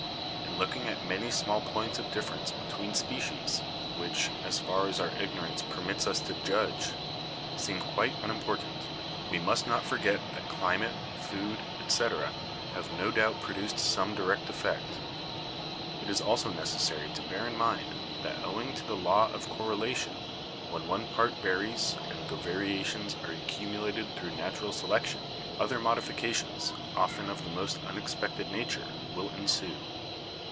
"In looking at many small points of difference between species, which, as far as our ignorance permits us to judge, seem quite unimportant, we must not forget that climate, food, etc., have no doubt produced some direct effect. It is also necessary to bear in mind that owing to the law of correlation, when one part varies, and the varia tions are accumulated through natural selection, other modifications, often of the most unexpected nature, will ensue.